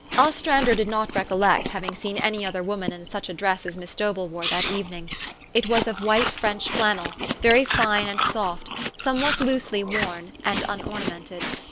Ostrander did not recollect having seen any other woman in such a dress as Miss Dobell wore that evening. It was of white French flannel, very fine and soft, somewhat loosely worn, and unornamented.